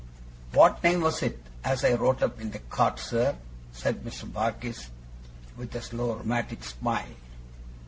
'What name was it, as I wrote up in the cart, sir?' said Mr. Barkis, with a slow rheumatic smile.